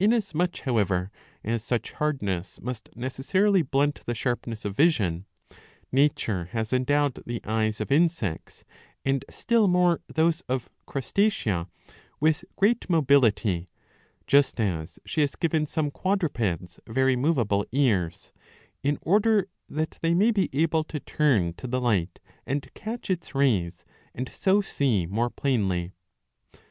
Inasmuch however as such hardness must necessarily blunt the sharpness of vision, nature has endowed the eyes of Insects, and still more those of Crustacea,'^ with great mobility (just as she has given some quadrupeds very moveable ears), in order that they may be able to turn to the light and catch its rays, and so see more plainly.